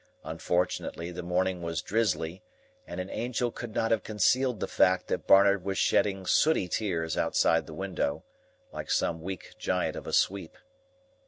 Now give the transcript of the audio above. Unfortunately the morning was drizzly, and an angel could not have concealed the fact that Barnard was shedding sooty tears outside the window, like some weak giant of a Sweep.